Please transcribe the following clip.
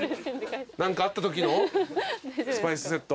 何かあったときのスパイスセット？